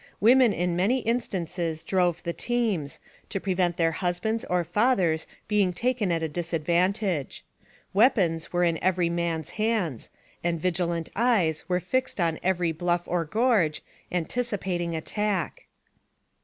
"Women in many instances drove the teams, to prevent their husbands or fathers being taken at a disadvantage; weapons were in every man's hands, and vigilant eyes were fixed on every bluff or gorge, antici pating attack.